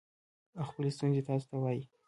او خپلې ستونزې تاسو ته ووايي